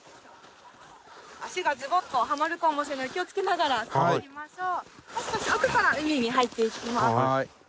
足がズボッとはまるかもしれないので気をつけながら進みましょう。